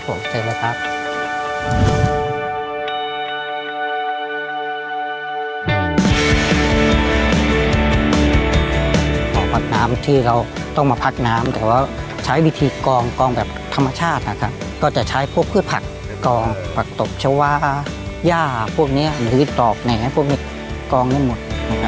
ผักน้ำที่เราต้องมาพักน้ำแต่ว่าใช้วิธีกองแบบธรรมชาตินะครับก็จะใช้พวกพืชผักกองผักตบชาวาย่าพวกนี้หรือตอกแหน่งให้พวกนี้กองให้หมด